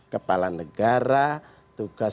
kepala negara tugas